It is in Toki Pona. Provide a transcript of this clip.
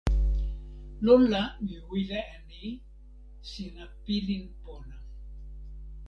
lon la mi wile e ni: sina pilin pona.